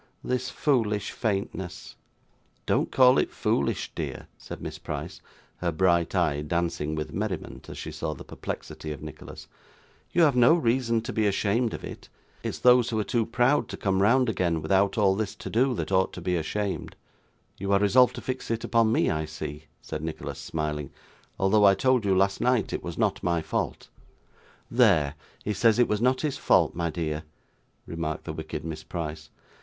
'This foolish faintness!' 'Don't call it foolish, dear,' said Miss Price: her bright eye dancing with merriment as she saw the perplexity of Nicholas; 'you have no reason to be ashamed of it. It's those who are too proud to come round again, without all this to do, that ought to be ashamed.' 'You are resolved to fix it upon me, I see,' said Nicholas, smiling, 'although I told you, last night, it was not my fault.' 'There; he says it was not his fault, my dear,' remarked the wicked Miss Price.